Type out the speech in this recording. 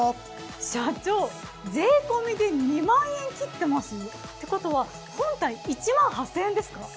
社長税込で２０，０００円切ってます？ってことは本体１８，０００円ですか？